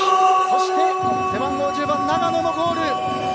そして背番号１０番長野のゴール。